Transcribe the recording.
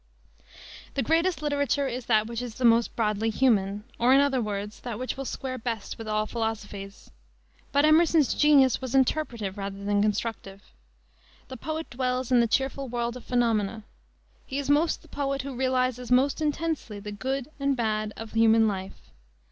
The greatest literature is that which is most broadly human, or, in other words, that which will square best with all philosophies. But Emerson's genius was interpretive rather than constructive. The poet dwells in the cheerful world of phenomena. He is most the poet who realizes most intensely the good and the bad of human life.